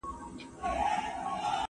د ولسمشر ساتونکي هغه کس ته په درناوي وکتل.